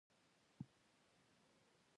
د ښرنې ښار په ماښام کې ډېر ښکلی وي.